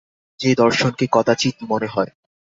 যে দর্শনকে কদাচিৎ মনে হয়।